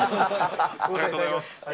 ありがとうございます！